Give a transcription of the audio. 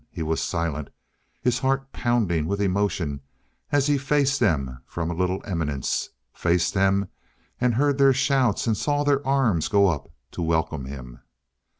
He was silent, his heart pounding with emotion, as he faced them from a little eminence faced them and heard their shouts, and saw their arms go up to welcome him.